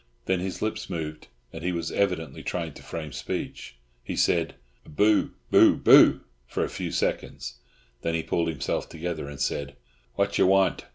Then his lips moved, and he was evidently trying to frame speech. He said, "Boo, Boo, Boo," for a few seconds; then he pulled himself together, and said, "Wha' you want?"